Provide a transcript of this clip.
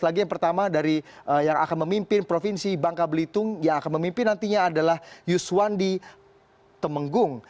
lagi yang pertama dari yang akan memimpin provinsi bangka belitung yang akan memimpin nantinya adalah yuswandi temenggung